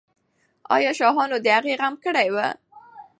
آیا شاهانو د هغې غم کړی و؟